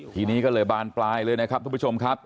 ทีนี้ก็เลยบานปลายเลยนะครับทุกผู้ชมครับ